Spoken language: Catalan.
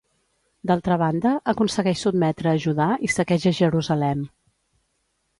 D'altra banda, aconsegueix sotmetre a Judà i saqueja Jerusalem.